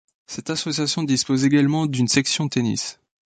Cette association dispose également d'une section tennis.